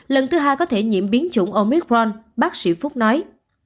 lần thứ hai có thể nhiễm biến chủng omicron bác sĩ phúc nói